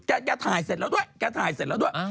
แกถ่ายเสร็จแล้วด้วย